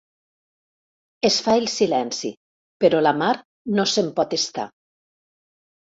Es fa el silenci, però la Mar no se'n pot estar.